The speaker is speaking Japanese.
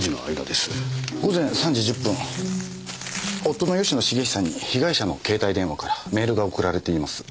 午前３時１０分夫の吉野茂久に被害者の携帯電話からメールが送られています。